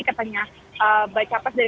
katanya baik baik dari